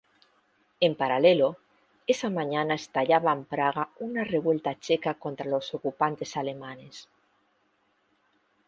En paralelo, esa mañana estallaba en Praga una revuelta checa contra los ocupantes alemanes.